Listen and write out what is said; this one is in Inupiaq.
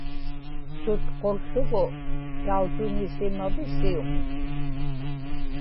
sutqułługu tautuŋisimavisiuŋ